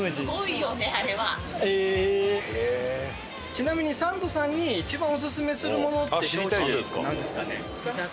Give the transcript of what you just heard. ちなみにサンドさんに一番オススメするものってなんですかね？